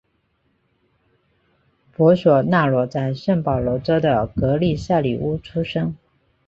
博索纳罗在圣保罗州的格利塞里乌出生。